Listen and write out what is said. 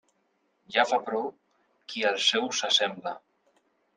Ja fa prou qui als seus s'assembla.